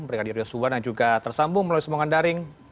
brigadir yusuf wan yang juga tersambung melalui sembongan daring